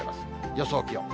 予想気温。